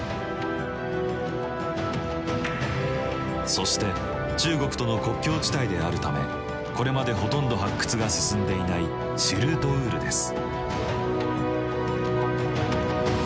そして中国との国境地帯であるためこれまでほとんど発掘が進んでいないシルートウールです。